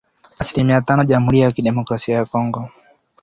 asilimia tano Jamhuri ya Kidemokrasia ya Kongo